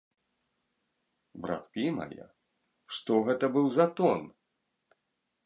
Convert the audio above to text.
Браткі мае, што гэта быў за тон!